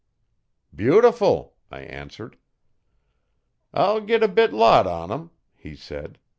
'Beautiful,' I answered. 'I'll git a big lot on 'em,' he said.